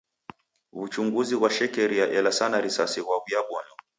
W'uchunguzi ghwa shekeria elasana risasi ghwaw'iabonywa.